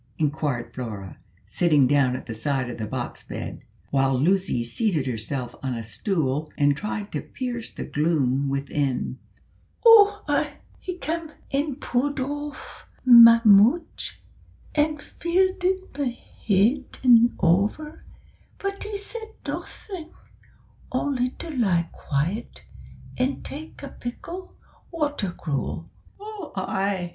inquired Flora, sitting down at the side of the box bed, while Lucy seated herself on a stool and tried to pierce the gloom within. "Oo, ay, he cam' an' pood aff ma mutch, an' feel'd ma heed a' over, but he said nothin' only to lie quiet an' tak a pickle water gruel, oo ay."